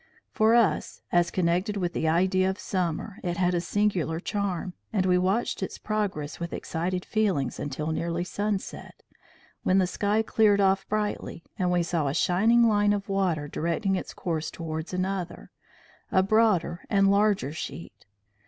For us, as connected with the idea of summer, it had a singular charm; and we watched its progress with excited feelings until nearly sunset, when the sky cleared off brightly, and we saw a shining line of water directing its course towards another, a broader and larger sheet.